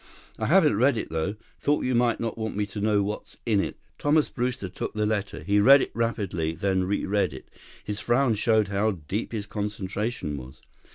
I haven't read it, though. Thought you might not want me to know what's in it." 48 Thomas Brewster took the letter. He read it rapidly, then reread it. His frown showed how deep his concentration was.